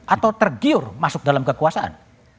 atau tergiur masuk dalam kekuasaan